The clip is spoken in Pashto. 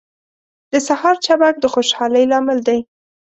• د سهار چمک د خوشحالۍ لامل دی.